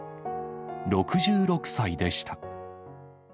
６６歳でした。